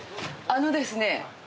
あのですね